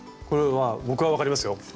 これは僕は分かりますよ。